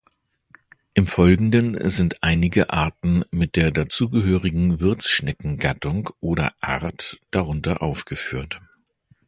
Im Folgenden sind einige Arten mit der dazugehörigen Wirts-Schneckengattung oder -Art darunter aufgeführt.